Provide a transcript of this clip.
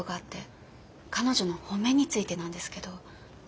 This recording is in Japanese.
彼女の褒めについてなんですけど。